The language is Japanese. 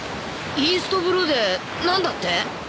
イーストブルーでなんだって？